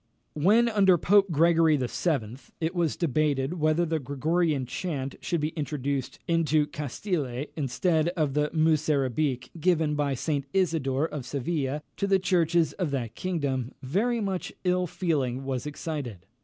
When, under Pope Gregory VII., it was debated whether the Gregorian chant should be introduced into Castile, instead of the Musarabic, given by St. Isidore of Seville to the churches of that kingdom, very much ill feeling was excited.